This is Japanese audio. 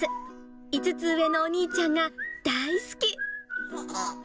５つ上のお兄ちゃんが大好き。